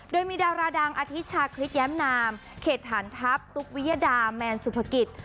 โดยมีดาราดังอธิชาคริสแย้มนามเขตฐานทัพตุ๊กวิยดาแมนสุภกิจ